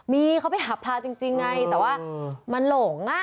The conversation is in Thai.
มีเขาไปหาพลาจริงไงแต่ว่ามันหลง